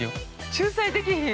◆仲裁できひん。